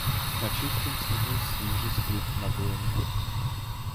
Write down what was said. На чистім снігу свіжий слід малої ноги.